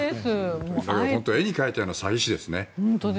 絵に描いたような詐欺師ですね。